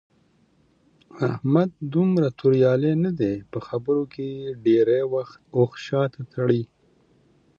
احمد دومره توریالی نه دی. په خبرو کې ډېری وخت اوښ شاته تړي.